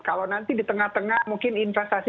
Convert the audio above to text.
kalau nanti di tengah tengah mungkin investasi